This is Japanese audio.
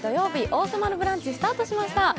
「王様のブランチ」スタートしました。